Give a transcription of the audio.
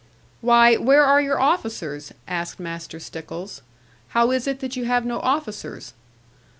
'Why, where are your officers?' asked Master Stickles; 'how is it that you have no officers?'